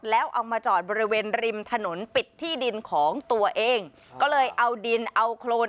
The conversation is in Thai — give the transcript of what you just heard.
แล้วเอามาจอดบริเวณริมถนนปิดที่ดินของตัวเองก็เลยเอาดินเอาโครน